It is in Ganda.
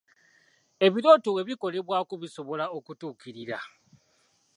Ebirooto bwe bikolebwako bisobola okutuukirira .